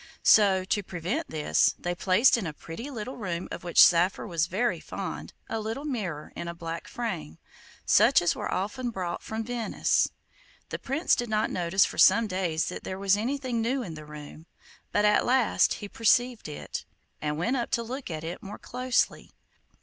So, to prevent this, they placed in a pretty little room of which Saphir was very fond a little mirror in a black frame, such as were often brought from Venice. The Prince did not notice for some days that there was anything new in the room, but at last he perceived it, and went up to look at it more closely.